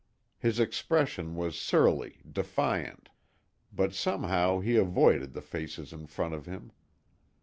His expression was surly, defiant. But somehow he avoided the faces in front of him.